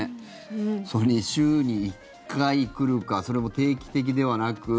そういうふうに週に１回来るかそれも定期的ではなく。